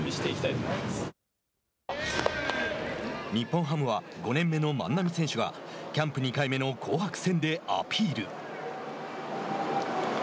日本ハムは５年目の万波選手がキャンプ２回目の紅白戦でアピール。